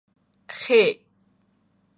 خ